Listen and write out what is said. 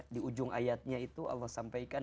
di ujung ayatnya itu allah sampaikan